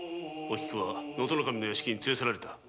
お菊は能登守の屋敷に連れ去られた。